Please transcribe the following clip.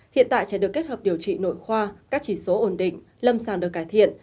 hiện tại trẻ được kết hợp điều trị nội khoa các chỉ số ổn định lâm sàng được cải thiện